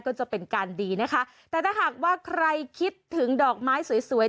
ก็จะเป็นการดีนะคะแต่ถ้าหากว่าใครคิดถึงดอกไม้สวยสวย